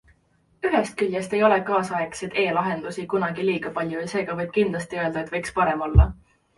Ühest küljest ei ole kaasaegseid e-lahendusi kunagi liiga palju ja seega võib kindlasti öelda, et võiks parem olla.